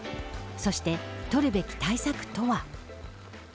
そして、取るべき対策とは。